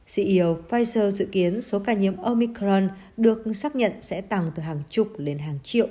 ceo pfizer dự kiến số ca nhiễm omicron được xác nhận sẽ tăng từ hàng chục lên hàng triệu